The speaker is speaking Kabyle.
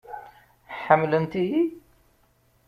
Ḥemmlent-iyi?